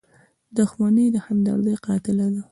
• دښمني د همدردۍ قاتله ده.